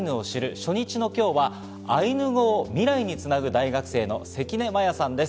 初日の今日はアイヌ語を未来につなぐ大学生の関根摩耶さんです。